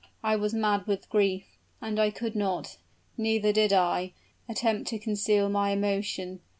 I was mad with grief, and I could not, neither did I, attempt to conceal my emotion.